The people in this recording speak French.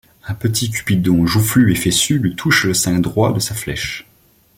Un petit cupidon joufflu et fessu lui touche le sein droit de sa flèche.